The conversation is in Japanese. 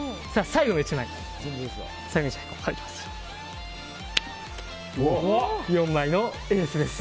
最後の１枚です。